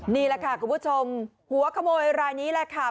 นี่แหละค่ะคุณผู้ชมหัวขโมยรายนี้แหละค่ะ